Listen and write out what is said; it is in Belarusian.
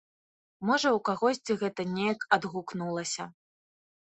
Можа, у кагосьці гэта неяк адгукнулася.